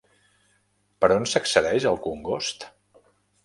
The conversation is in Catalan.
Per on s'accedeix al congost?